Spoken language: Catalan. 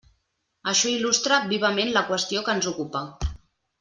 Això il·lustra vivament la qüestió que ens ocupa.